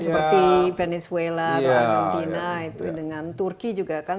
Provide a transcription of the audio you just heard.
seperti venezuela argentina itu dengan turki juga kan